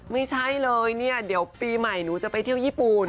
ไม่ใช่เลยเนี่ยเดี๋ยวปีใหม่หนูจะไปเที่ยวญี่ปุ่น